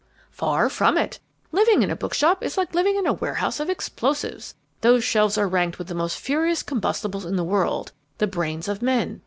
"Far from it. Living in a bookshop is like living in a warehouse of explosives. Those shelves are ranked with the most furious combustibles in the world the brains of men.